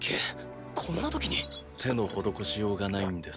こんな時に⁉手の施しようがないんです。